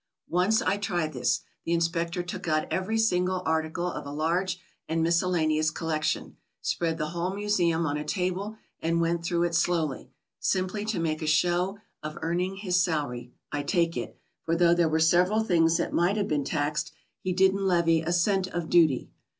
Once I tried this; the inspector took out every single article of a large and miscellaneous collection, spread the whole museum on a table, and went through it slowly, simply to make a show of earning his salary, I take it, for though there were several things that might have been taxed, he didn't levy a cent of duty.